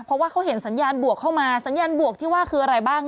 เพราะว่าเขาเห็นสัญญาณบวกเข้ามาสัญญาณบวกที่ว่าคืออะไรบ้าง